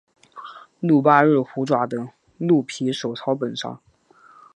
鹿八日虎爪等鹿皮手抄本上。